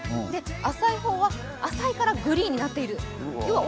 浅い方は浅いからグリーンになっている。